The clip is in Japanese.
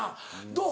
どう？